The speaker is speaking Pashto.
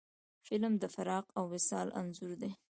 فلم د فراق او وصال انځور دی